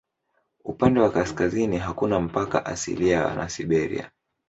Upande wa kaskazini hakuna mpaka asilia na Siberia.